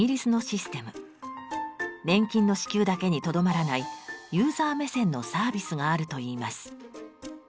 年金の支給だけにとどまらないユーザー目線のサービスがあるといいます。